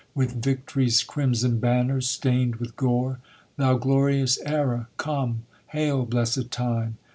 With Vict'ry's crimson banners stain'd with gore. Thou glorious era, come I Hail, blessed time